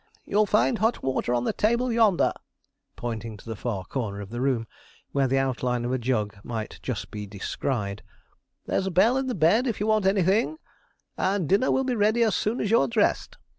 You'll find hot water on the table yonder,' pointing to the far corner of the room, where the outline of a jug might just be descried; 'there's a bell in the bed if you want anything; and dinner will be ready as soon as you are dressed.